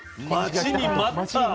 待ちに待った。